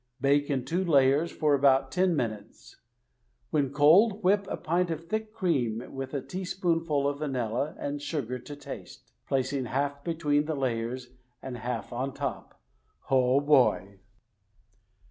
Bake in two layers, for about ten minutes. When cold whip a pint of thick cream with a teaspoonful of vanilla and sugar to taste — ^placing half between the layers and half on top. Oh, boy!